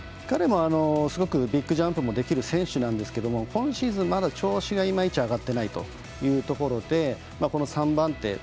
彼も、すごくビッグジャンプもできる選手なんですが今シーズンまだ調子がいまいち上がってないというところでこの３番手。